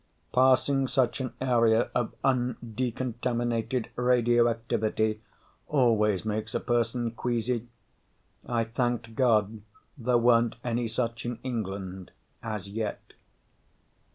Passing such an area of undecontaminated radioactivity always makes a person queasy. I thanked God there weren't any such in England, as yet.